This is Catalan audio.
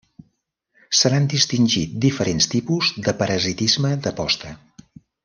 Se n'han distingit diferents tipus de parasitisme de posta.